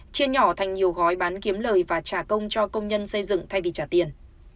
chia nhỏ thành nhiều gói bán kiếm lời và trả công cho công nhân xây dựng thay vì trả tiền